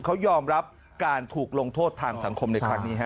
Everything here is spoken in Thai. เขายอมรับการถูกลงโทษทางสังคมในครั้งนี้ฮะ